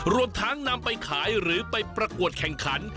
รวมทั้งนำไปขายหรือไปประกวดแข่งขัน